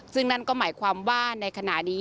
ซึ่งนั่นก็หมายความว่าในขณะนี้